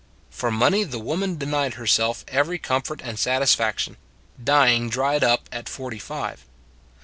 For money the woman denied herself every comfort and satisfaction, dying dried up at forty five.